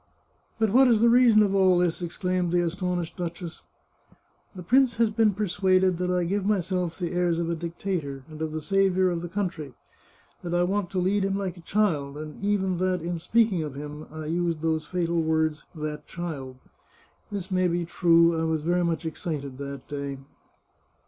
" But what is the reason of all this? " exclaimed the aston ished duchess. " The prince has been persuaded that I give myself the airs of a dictator, and of the saviour of the country ; that I want to lead him like a child, and even that, in speaking of him, I used those fatal words ' that child.* This may be true ; I was very much excited that day.